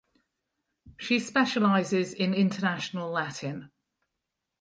She specializes in International Latin.